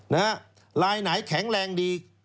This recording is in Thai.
นะฮะลายไหนแข็งแรงดี